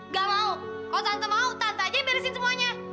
gak mau kalo tante mau tante aja yang beresin semuanya